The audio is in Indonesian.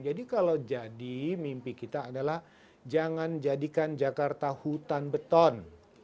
jadi kalau jadi mimpi kita adalah jangan jadikan jakarta hutan beton